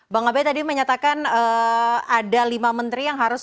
bang abe tadi menyatakan ada lima menteri yang harus